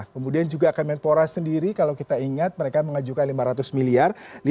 kemudian juga kemenpora sendiri kalau kita ingat mereka mengajukan lima ratus miliar